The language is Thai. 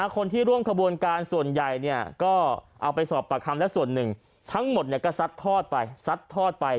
คนที่ร่วมขบวนการส่วนใหญ่ก็เอาไปสอบปากคำและส่วนหนึ่งทั้งหมดก็ซัดทอดไปซัดทอดไป